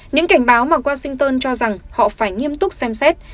những cảnh báo mà washington cho rằng họ phải nghiêm túc xem xét